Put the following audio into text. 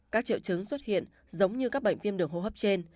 các triệu chứng xuất hiện giống như các bệnh viêm đường hô hấp trên